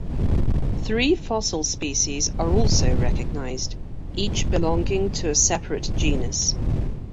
Three fossil species are also recognised, each belonging to a separate genus.